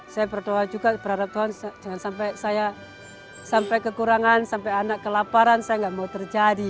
saya berdoa juga berharap tuhan jangan sampai saya sampai kekurangan sampai anak kelaparan saya nggak mau terjadi